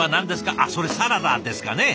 あっそれサラダですかね。